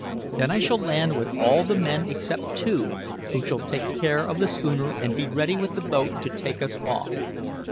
Then I shall land with all the men except two, who shall take care of the schooner and be ready with the boat to take us off.